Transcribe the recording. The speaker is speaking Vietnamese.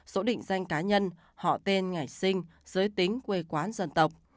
số định danh cá nhân họ tên ngày sinh giới tính quê quán dân tộc